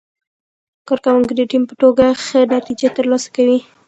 کارکوونکي د ټیم په توګه ښه نتیجه ترلاسه کوي